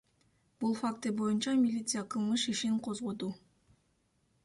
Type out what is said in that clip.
Бул факты боюнча милиция кылмыш ишин козгоду.